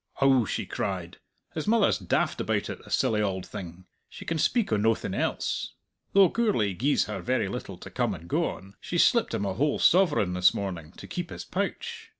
"Ou," she cried, "his mother's daft about it, the silly auld thing; she can speak o' noathing else. Though Gourlay gies her very little to come and go on, she slipped him a whole sovereign this morning, to keep his pouch.